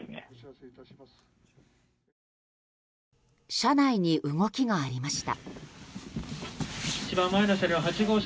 車内に動きがありました。